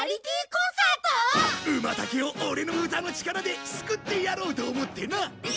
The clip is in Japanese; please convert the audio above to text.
ウマタケをオレの歌の力で救ってやろうと思ってな。